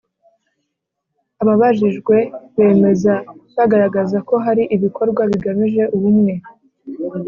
ababajijwe bemeza bagaragaza ko hari ibikorwa bigamije ubumwe